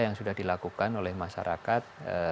yang sudah dilakukan oleh masyarakat